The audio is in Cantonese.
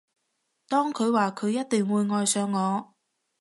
當佢話佢一定會愛上我